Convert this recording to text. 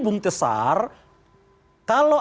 bum tesar kalau